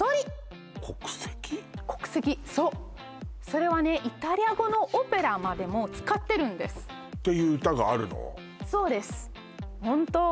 それはねイタリア語のオペラまでも使ってるんですていう歌があるの？